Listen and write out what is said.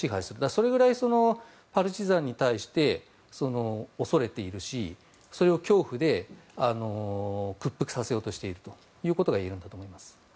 それくらいパルチザンに対して恐れているしそれを恐怖で屈服させようとしているということが言えるんだと思います。